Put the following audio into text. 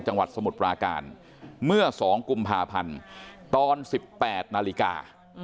สมุทรปราการเมื่อ๒กุมภาพันธ์ตอน๑๘นาฬิกา